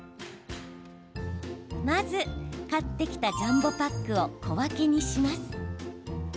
まず買ってきたジャンボパックを小分けにします。